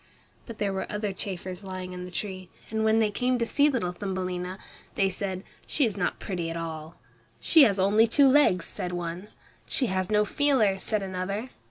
But there were other chafers living in the tree, and when they came to see little Thumbelina, they said, "She is not pretty at all." "She has only two legs," said one. "She has no feelers," said another.